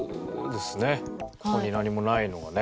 ここに何もないのがね。